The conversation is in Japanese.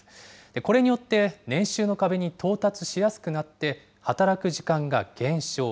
これによって、年収の壁に到達しやすくなって、働く時間が減少。